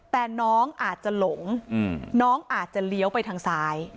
แต่น้องอาจจะหลงน้องอาจจะเลี้ยวไปทางซ้าย